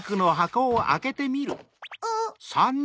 あっ！